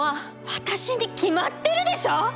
私に決まってるでしょ！